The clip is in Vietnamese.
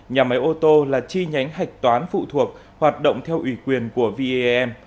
nhà máy ô tô là chi nhánh hạch toán phụ thuộc hoạt động theo ủy quyền của v e a m